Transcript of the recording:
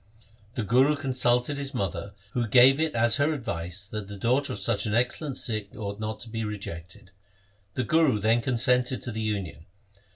The Guru con sulted his mother, who gave it as her advice that the daughter of such an excellent Sikh ought not to be rejected. The Guru then consented to the union.